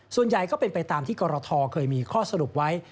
ส่วนใหญ่ก็เป็นไปตามที่กรทเคยมีข้อสรุปไว้